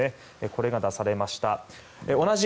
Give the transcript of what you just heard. これが出されました。